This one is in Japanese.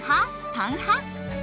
パン派？